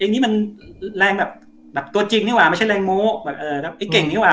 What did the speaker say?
เองนี้มันแรงแบบแบบตัวจริงจริงแหวะไม่ใช่แรงโม้แบบเอ่อไอ่เก่งดีขวะ